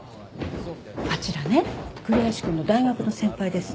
あちらね栗橋くんの大学の先輩ですって。